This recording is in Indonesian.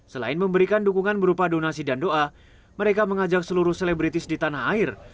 selain memberikan dukungan berupa donasi dan doa mereka mengajak seluruh selebritis di tanah air